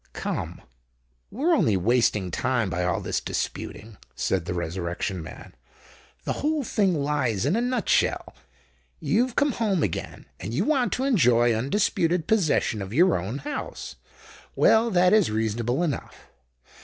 "Come—we're only wasting time by all this disputing," said the Resurrection Man. "The whole thing lies in a nut shell. You've come home again—and you want to enjoy undisputed possession of your own house. Well—that is reasonable enough.